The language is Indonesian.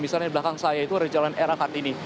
misalnya di belakang saya itu ada jalan era kartini